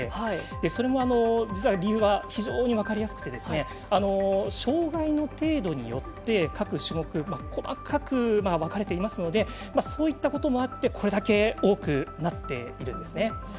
それも、実は理由は非常に分かりやすくて障がいの程度によって、各種目細かく分かれていますのでそういったこともあってこれだけ多くなっているんですね。